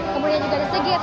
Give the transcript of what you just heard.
kemudian juga the seagate